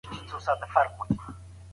دا پنځه ويشت عدد دئ.